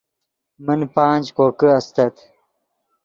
من پانچ کوکے استت